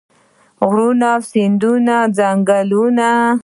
غرونه سیندونه او ځنګلونه.